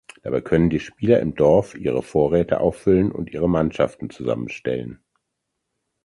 Dabei können die Spieler im Dorf ihre Vorräte auffüllen und ihre Mannschaften zusammenstellen.